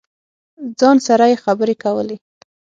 ځان سره یې خبرې کولې.